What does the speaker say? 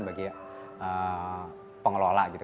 bagi pengelola gitu